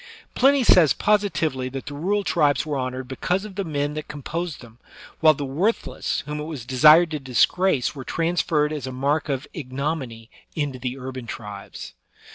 Pliny says i)ositively that the rural tribes were honored because of the men that composed them, while the worthless whom it was desired to dis grace were transferred as a mark of ignominy into the urban tribes.